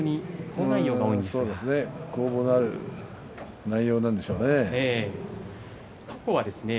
攻防のある内容なんでしょうね。